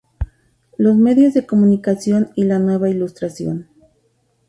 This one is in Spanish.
Los medios de comunicación y la Nueva Ilustración".